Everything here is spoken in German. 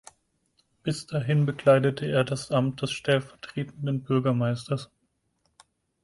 Bis dahin bekleidete er das Amt des stellvertretenden Bürgermeisters.